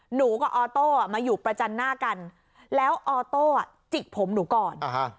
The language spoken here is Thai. หนูกับออโต้มาอยู่ประจันหน้ากันแล้วออโต้จิกผมหนูก่อน